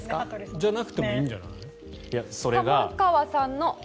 じゃなくてもいいんじゃない？